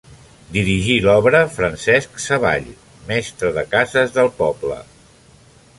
Dirigí l'obra Francesc Savall, mestre de cases del poble.